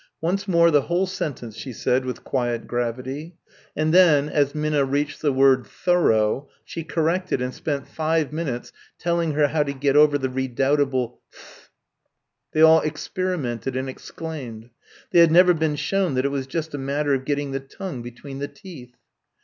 "Once more the whole sentence," she said, with quiet gravity, and then as Minna reached the word "thorough" she corrected and spent five minutes showing her how to get over the redoubtable "th." They all experimented and exclaimed. They had never been shown that it was just a matter of getting the tongue between the teeth.